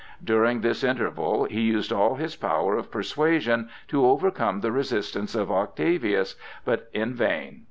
During this interval he used all his power of persuasion to overcome the resistance of Octavius, but in vain.